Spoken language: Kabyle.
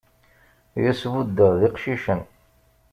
I as-buddeɣ d iqcicen.